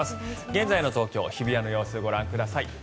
現在の東京・日比谷の様子をご覧ください。